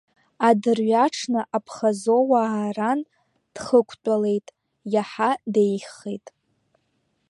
Адырҩаҽны Абхазоуаа ран дхықәтәалеит, иаҳа деиӷьхеит.